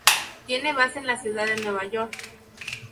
Tiene base en la Ciudad de Nueva York.